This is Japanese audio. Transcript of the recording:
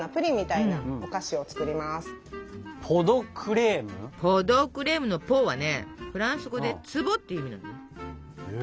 ポ・ド・クレームの「ポ」はねフランス語で「壺」っていう意味なのね。